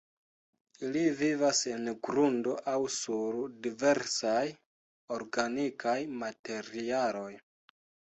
Ili vivas en grundo aŭ sur diversaj organikaj materialoj.